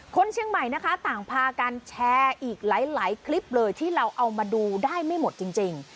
คนเชียงใหม่นะคะต่างพากันแชร์อีกหลายคลิปเลยที่เราเอามาดูได้ไม่หมดจริง